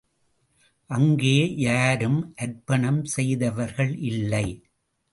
அங்கே யாரும் அர்ப்பணம் செய்தவர்கள் இல்லை.